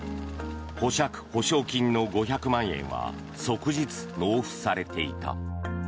保釈保証金の５００万円は即日納付されていた。